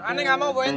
anaknya gak mau berbual